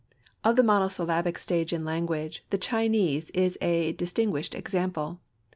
Of the monosyllabic stage in language, the Chinese is a distinguished example.